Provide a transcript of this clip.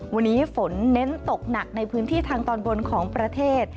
วันนี้ฝนเน้นตกหนักในพื้นที่ทางตอนบนของประเทศ